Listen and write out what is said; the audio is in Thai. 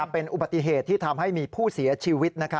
เป็นอุบัติเหตุที่ทำให้มีผู้เสียชีวิต